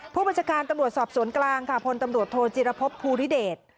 ผู้บัญชาการตำรวจสอบสวนกลางค่ะพลตำรวจโทจิรพบภูริเดช